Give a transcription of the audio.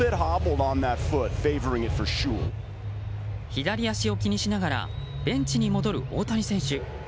左足を気にしながらベンチに戻る大谷選手。